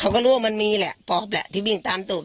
เขาก็รู้ว่ามันมีแหละป๊อปแหละที่วิ่งตามตูบ